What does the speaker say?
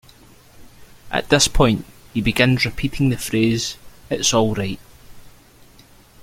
At this point he begins repeating the phrase it's all right.